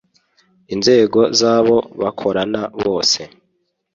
inzego z'abo bakorana bose